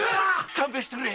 勘弁してくれ。